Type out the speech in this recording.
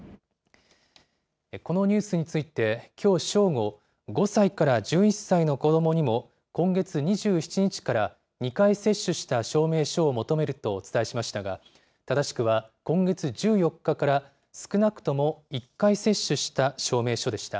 このニュースについて、きょう正午、５歳から１１歳の子どもにも、今月２７日から、２回接種した証明書を求めるとお伝えしましたが、正しくは、今月１４日から、少なくとも１回接種した証明書でした。